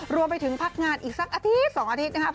รวมไปถึงพักงานอีกสักอาทิตย์๒อาทิตย์นะครับ